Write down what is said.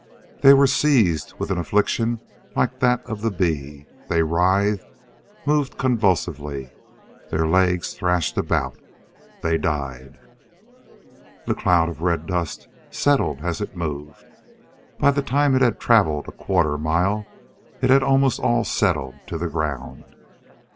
They were seized with an affliction like that of the bee. They writhed, moved convulsively. Their legs thrashed about. They died. The cloud of red dust settled as it moved. By the time it had travelled a quarter mile, it had almost all settled to the ground.